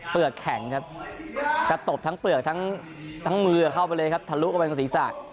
แข็งครับกระตบทั้งเปลือกทั้งมือเข้าไปเลยครับทะลุเข้าไปกับศีรษะ